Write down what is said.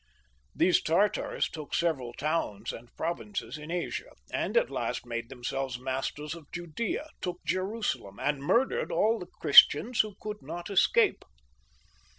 These Tartars took several towns and provinces in 'Asia, and at last made themselves masters of Judea ; took Jerusalem, and mur dered aU the Christians who could not escape.